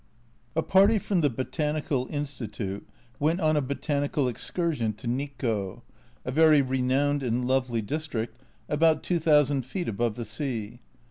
A party from the Botanical Institute went on a botanical excursion to Nikko, a very renowned and lovely district about 2000 feet above the sea.